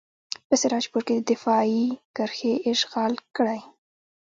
په سراج پور کې دفاعي کرښې اشغال کړئ.